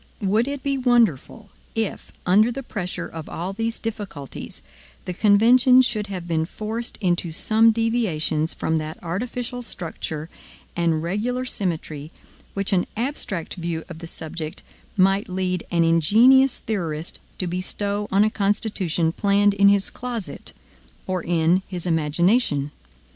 Would it be wonderful if, under the pressure of all these difficulties, the convention should have been forced into some deviations from that artificial structure and regular symmetry which an abstract view of the subject might lead an ingenious theorist to bestow on a Constitution planned in his closet or in his imagination?